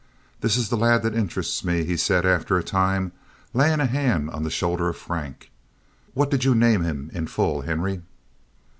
"This is the lad that interests me," he said, after a time, laying a hand on the shoulder of Frank. "What did you name him in full, Henry?"